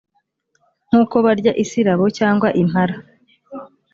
nk’uko barya isirabo cyangwa impara.